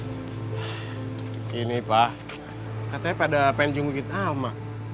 gini pak katanya pada pengen nungguin alma